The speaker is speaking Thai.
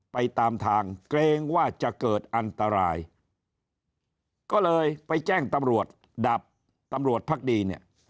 ไปตามทางเกรงว่าจะเกิดอันตรายก็เลยไปแจ้งตำรวจดับตำรวจพักดีเนี่ย